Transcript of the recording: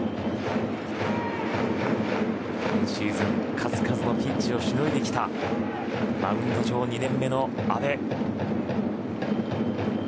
今シーズン数々のピンチをしのいできたマウンド上、２年目の阿部。